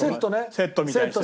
セットみたいにしてる。